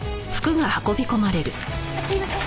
すいません。